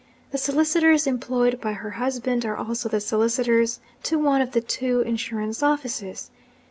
The solicitors employed by her husband are also the solicitors to one of the two insurance offices.